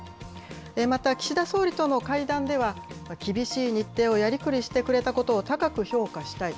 また岸田総理との会談では、厳しい日程をやりくりしてくれたことを高く評価したい。